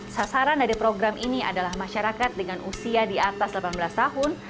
sasaran dari program ini adalah masyarakat dengan usia di atas delapan belas tahun